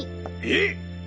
えっ！